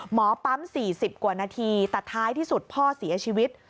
หมอปั๊ม๔๐กว่านาทีแต่ท้ายที่สุดพ่อเสียชีวิต